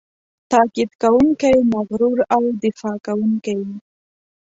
تاکید کوونکی، مغرور او دفاع کوونکی وي.